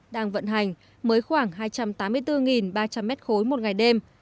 đang vận hành mới khoảng hai trăm tám mươi bốn ba trăm linh m ba một ngày đêm